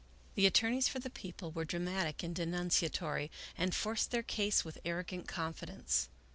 The attorneys for the People were dramatic and denunciatory, and forced their case with arrogant confidence.